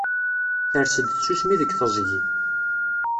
Ters-d tsusmi deg teẓgi.